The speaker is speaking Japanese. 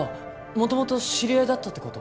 元々知り合いだったってこと！？